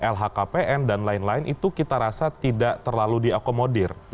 lhkpn dan lain lain itu kita rasa tidak terlalu diakomodir oleh pansel pimpinan kpk saat ini